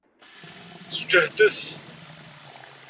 Sǧehdet!